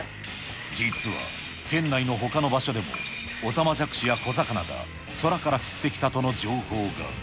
実は県内のほかの場所でもオタマジャクシや小魚が空から降ってきたとの情報が。